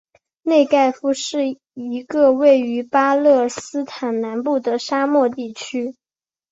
内盖夫是一个位于巴勒斯坦南部的沙漠地区。